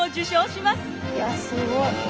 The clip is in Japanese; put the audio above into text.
いやすごい。